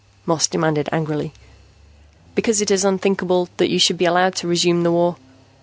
Moss demanded angrily. "Because it is unthinkable that you should be allowed to resume the war.